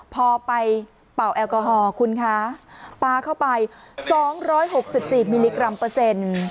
พอไปเป่าแอลกอฮอล์คุณคะปาเข้าไปสองร้อยหกสิบสี่มิลลิกรัมเปอร์เซ็นต์